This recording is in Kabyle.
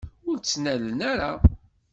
Ur tt-ttnalen ara.